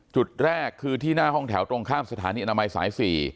จุดแรกคือที่หน้าห้องแถวตรงข้ามสถานีอนามัยสาย๔